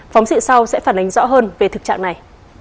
phóng sự sau sẽ phản ánh rõ hơn về thực trạng này